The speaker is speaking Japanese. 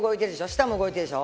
下も動いてるでしょ？